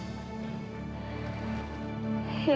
kamila kamu harus berhenti